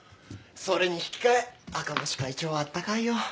それに引き換え赤星会長はあったかいよ。